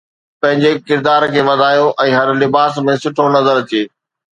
پنهنجي ڪردار کي وڌايو ۽ هر لباس ۾ سٺو نظر اچي